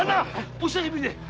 お久しぶりで！